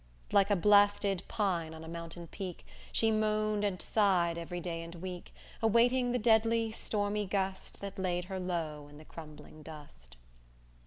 _Like a blasted pine on a mountain peak, She moaned and sighed every day and week; Awaiting the deadly, stormy gust That laid her low in the crumbling dust.